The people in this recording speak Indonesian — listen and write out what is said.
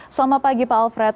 selamat pagi pak alfred